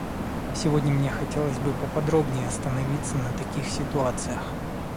Сегодня мне хотелось бы подробней остановиться на таких ситуациях.